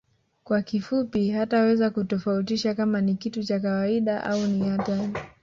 Kwa kifupi hataweza kutofautisha kama ni kitu cha kawaida au ni hatari